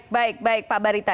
baik baik pak barita